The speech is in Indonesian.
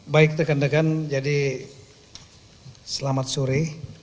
baik tekan tekan jadi selamat sore